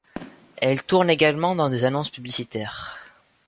Elle tourne également dans des annonces publicitaires.